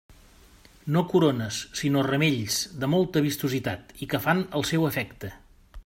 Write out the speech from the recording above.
No corones, sinó ramells de molta vistositat i que fan el seu efecte.